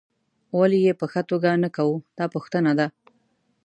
ولې یې په ښه توګه نه کوو دا پوښتنه ده.